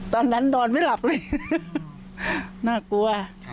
ตอนนั้นดอนไม่หลับเลยน่ากลัว